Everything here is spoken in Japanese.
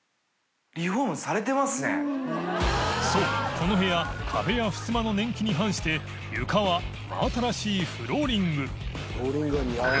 この部屋壁やふすまの年季に反して欧真新しいフローリング磴海譴